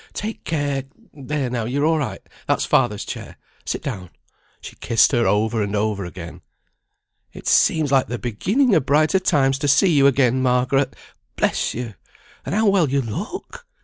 Take care. There, now, you're all right, that's father's chair. Sit down." She kissed her over and over again. "It seems like the beginning o' brighter times, to see you again, Margaret. Bless you! And how well you look!"